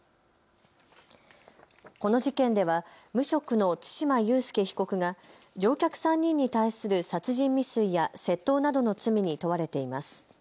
この事件では無職の對馬悠介被告が乗客３人に対する殺人未遂や窃盗などの罪に問われています。